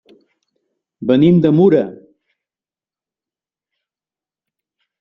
Venim de Mura.